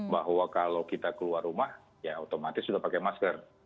bahwa kalau kita keluar rumah ya otomatis sudah pakai masker